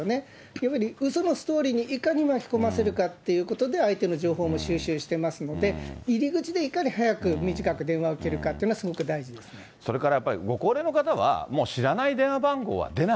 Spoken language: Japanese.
やっぱりうそのストーリーにいかに巻き込ませるかっていうことで、相手の情報を収集していますので入り口でいかに早く短く電話を切それからやっぱり、ご高齢の方は、知らない電話番号には出ない。